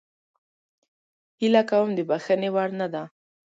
هیله کوم د بخښنې وړ نه ده